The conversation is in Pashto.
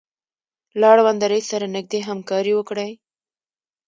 له اړونده رئیس سره نږدې همکاري وکړئ.